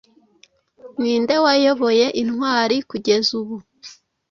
Ninde wayoboye intwari kugeza ubu